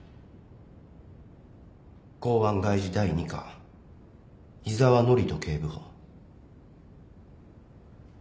公安外事第二課井沢範人警部補。